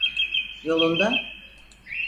Yolunda…